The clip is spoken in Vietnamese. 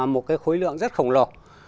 một cái khối lượng rất khổng lồ